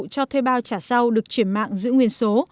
cho thuê bao trả sau được chuyển mạng giữ nguyên số